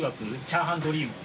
チャーハンドリーム。